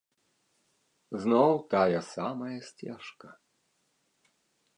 Зноў тая самая сцежка!